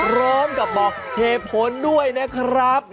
ร้องกับบอกเทพศนด้วยนะครับ